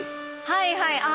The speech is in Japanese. はいはいあ